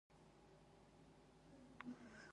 آب وهوا د افغانستان د اقتصادي ودې لپاره ارزښت لري.